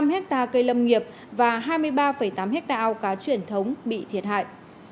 năm hectare cây lâm nghiệp và hai mươi ba tám hectare ao cá truyền thống bị thiệt hại